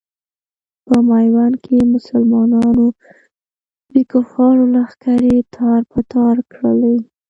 په میوند کې مسلمانانو د کفارو لښکرې تار په تار کړلې.